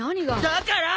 だから！